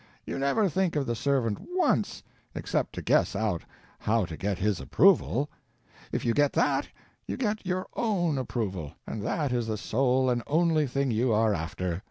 You never think of the servant once—except to guess out how to get his approval. If you get that, you get your _own _approval, and that is the sole and only thing you are after.